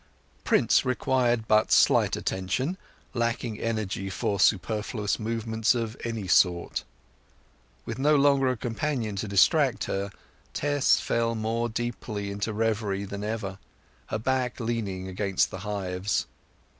Prince required but slight attention, lacking energy for superfluous movements of any sort. With no longer a companion to distract her, Tess fell more deeply into reverie than ever, her back leaning against the hives.